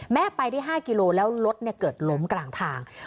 แม่ไปได้๕กิโลแล้วรถเกิดล้มกลางทาง